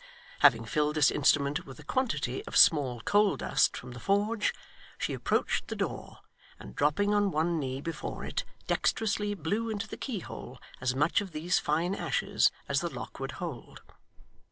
Having filled this instrument with a quantity of small coal dust from the forge, she approached the door, and dropping on one knee before it, dexterously blew into the keyhole as much of these fine ashes as the lock would hold.